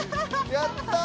やったぁ！